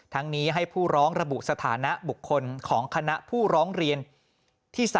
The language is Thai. ทั้งนี้ให้ผู้ร้องระบุสถานะบุคคลของคณะผู้ร้องเรียนที่๓